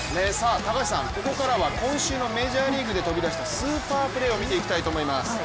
高橋さん、ここからは今週のメジャーリーグで飛び出したスーパープレーを見ていきたいと思います。